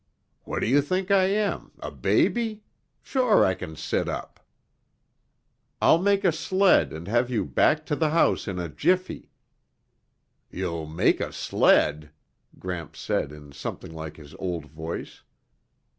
"What do you think I am? A baby? Sure I can sit up." "I'll make a sled and have you back to the house in a jiffy." "You'll make a sled?" Gramps said in something like his old voice.